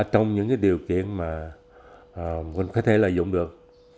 trong những điều kiện mà mình có thể lợi dụng được